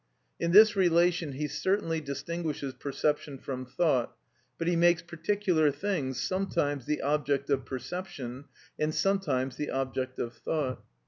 In this relation he certainly distinguishes perception from thought, but he makes particular things sometimes the object of perception and sometimes the object of thought.